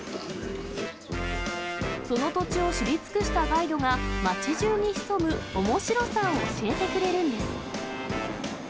その土地を知り尽くしたガイドが、町じゅうに潜むおもしろさを教えてくれるんです。